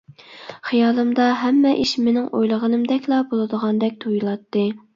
خىيالىمدا ھەممە ئىش مېنىڭ ئويلىغىنىمدەكلا بولىدىغاندەك تۇيۇلاتتى.